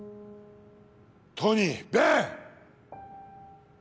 トニーベン。